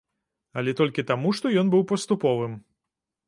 Але толькі таму, што быў ён паступовым.